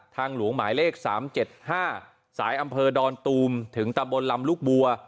หลวงหมายเลข๓๗๕สายอำเภอดอนตูมถึงตำบลลำลูกบัว